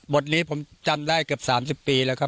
บทนี้ผมจำได้เกือบ๓๐ปีแล้วครับ